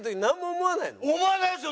思わないですよ。